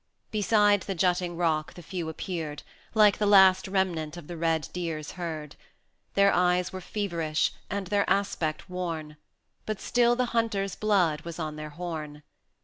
III. Beside the jutting rock the few appeared, Like the last remnant of the red deer's herd; 60 Their eyes were feverish, and their aspect worn, But still the hunter's blood was on their horn.